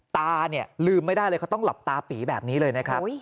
ตาเนี่ยลืมไม่ได้เลยเขาต้องหลับตาปีแบบนี้เลยนะครับ